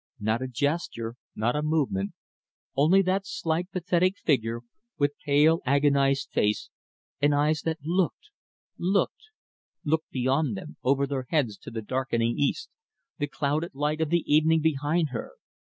Not a gesture, not a movement, only that slight, pathetic figure, with pale, agonised face, and eyes that looked looked looked beyond them, over their heads to the darkening east, the clouded light of evening behind her.